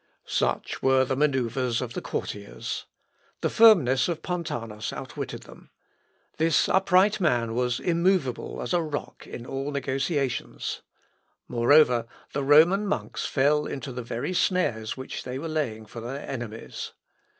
Such were the manœuvres of the courtiers. The firmness of Pontanus outwitted them. This upright man was immovable as a rock in all negotiations. Moreover, the Roman monks fell into the very snares which they were laying for their enemies.